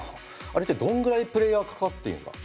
あれってどんぐらいプレーヤー関わっていいんですか？